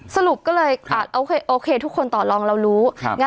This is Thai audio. สรุปก็เลยโอเคทุกคนต่อลองเรารู้